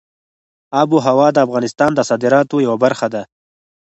آب وهوا د افغانستان د صادراتو یوه برخه ده.